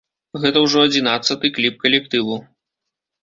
Гэта ўжо адзінаццаты кліп калектыву.